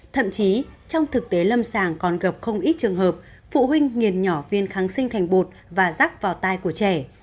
thậm chí trong thực tế lâm sàng còn gặp không ít trường hợp phụ huynh nghiền nhỏ viên kháng sinh thành bột và rắc vào tay của trẻ